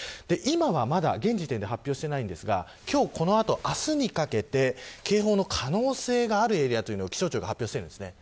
今はまだ現時点で発表していないんですが今日この後、明日にかけて警報の可能性があるエリアを気象庁が発表しています。